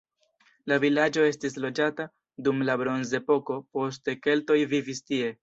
La vilaĝo estis loĝata dum la bronzepoko, poste keltoj vivis tie.